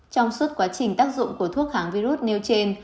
trong suốt quá trình tác dụng của thuốc kháng virus nêu trên